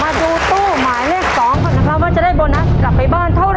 มาดูตู้หมายเลข๒ก่อนนะครับว่าจะได้โบนัสกลับไปบ้านเท่าไห